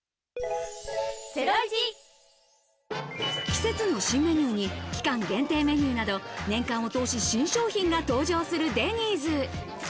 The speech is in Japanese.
季節の新メニューに期間限定メニューなど、年間を通し、新商品が登場するデニーズ。